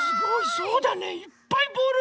そうだねいっぱいボール。